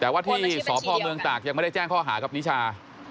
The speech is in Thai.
แต่ว่าที่สพเมืองตากยังไม่ได้แจ้งข้อหากับนิชา